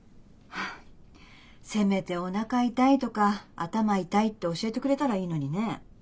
はあせめておなか痛いとか頭痛いって教えてくれたらいいのにね。